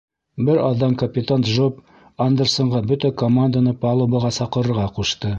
Бер аҙҙан капитан Джоб Андерсонға бөтә команданы палубаға саҡырырға ҡушты.